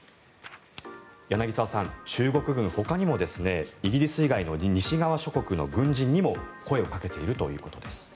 柳澤さん、中国軍ほかにもイギリス以外に西側諸国の軍人にも声をかけているということです。